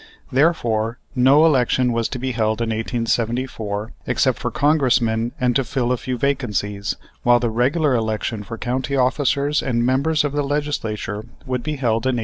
Therefore, no election was to be held in 1874, except for Congressmen, and to fill a few vacancies, while the regular election for county officers and members of the Legislature would be held in 1875.